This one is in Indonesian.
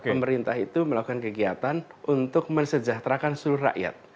pemerintah itu melakukan kegiatan untuk mensejahterakan seluruh rakyat